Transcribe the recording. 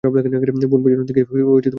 বোন, পিছনের দিকটার খেয়াল রেখো।